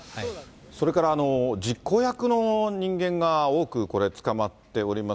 それから実行役の人間が多く捕まっております。